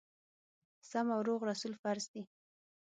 سم او روغ رسول فرض دي.